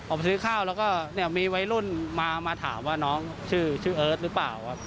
ออกไปซื้อข้าวแล้วก็เนี่ยมีวัยรุ่นมาถามว่าน้องชื่อเอิร์ทหรือเปล่าครับ